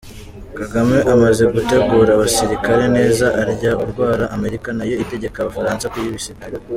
Kagame amaze gutegura abasirikare neza, arya urwara Amerika, nayo itegeka abafaransa kuyibisikira.